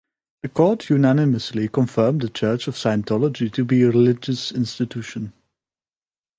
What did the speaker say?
The Court unanimously confirmed the Church of Scientology to be a religious institution.